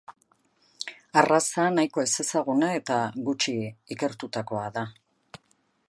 Arraza nahiko ezezaguna eta gutxi ikertutakoa da.